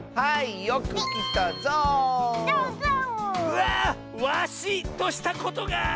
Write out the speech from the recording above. うわワシとしたことが。